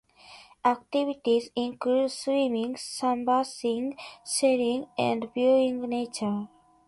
Activities include swimming, sunbathing, shelling and viewing nature.